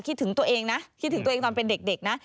คิดถึงตัวเองนะคิดถึงตัวเองตอนเป็นเด็กนะ